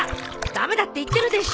駄目だって言ってるでしょ。